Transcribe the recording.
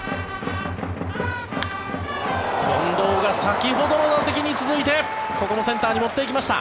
近藤が先ほどの打席に続いてここもセンターに持っていきました。